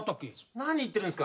何言ってるんですか。